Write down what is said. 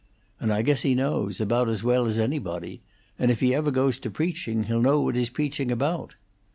And I guess he knows, about as well as anybody; and if he ever goes to preaching he'll know what he's preaching about."